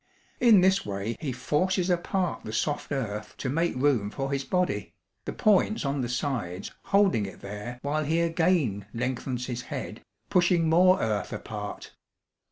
In this way he forces apart the soft earth to make room for his body, the points on the sides holding it there while he again lengthens his head, pushing more earth apart.